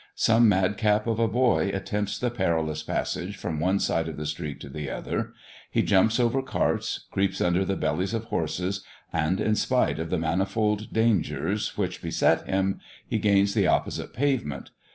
Some madcap of a boy attempts the perilous passage from one side of the street to the other; he jumps over carts, creeps under the bellies of horses, and, in spite of the manifold dangers which beset him, he gains the opposite pavement.